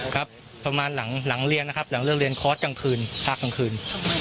ครับประมาณหลังเรียนนะครับหลังเลิกเรียนคอร์สกลางคืนภาคกลางคืน